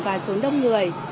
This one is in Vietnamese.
và trốn đông người